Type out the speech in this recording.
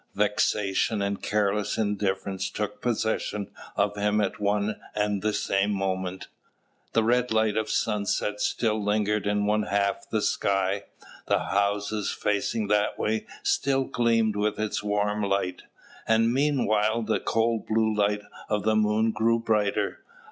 Vexation and careless indifference took possession of him at one and the same moment. The red light of sunset still lingered in one half the sky; the houses facing that way still gleamed with its warm light; and meanwhile the cold blue light of the moon grew brighter.